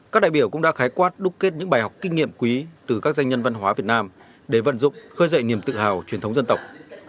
các đại biểu cũng đã khái quát đúc kết những bài học kinh nghiệm quý từ các danh nhân văn hóa việt nam để vận dụng khơi dậy niềm tự hào truyền thống dân tộc